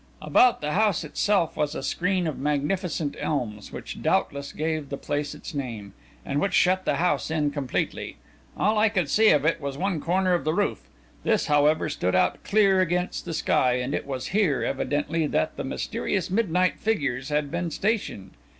About the house itself was a screen of magnificent elms, which doubtless gave the place its name, and which shut the house in completely. All I could see of it was one corner of the roof. This, however, stood out clear against the sky, and it was here, evidently, that the mysterious midnight figures had been stationed.